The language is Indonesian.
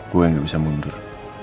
saya tidak bisa mundur